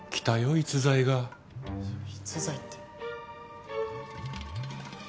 逸材って。